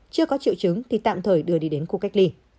chưa có triệu chứng thì tạm thời đưa đi đến khu cách ly